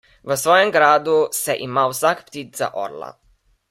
V svojem gradu se ima vsak ptič za orla.